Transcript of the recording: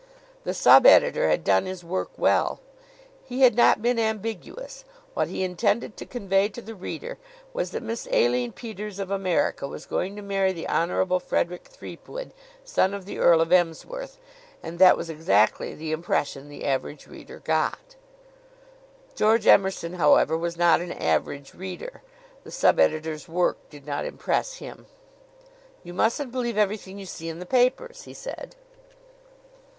The subeditor had done his work well. He had not been ambiguous. What he intended to convey to the reader was that Miss Aline Peters, of America, was going to marry the Honorable Frederick Threepwood, son of the Earl of Emsworth; and that was exactly the impression the average reader got. George Emerson, however, was not an average reader. The subeditor's work did not impress him. "You mustn't believe everything you see in the papers," he said.